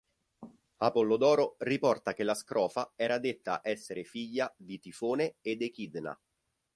Apollodoro riporta che la scrofa era detta essere figlia di Tifone ed Echidna.